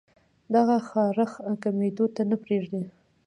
دغه خارښ کمېدو ته نۀ پرېږدي